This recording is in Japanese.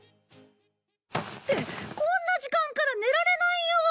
ってこんな時間から寝られないよ！